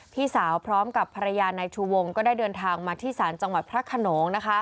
พี่สาวพร้อมกับภรรยานายชูวงก็ได้เดินทางมาที่ศาลจังหวัดพระขนง